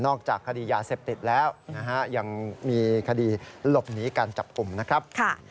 จากคดียาเสพติดแล้วนะฮะยังมีคดีหลบหนีการจับกลุ่มนะครับ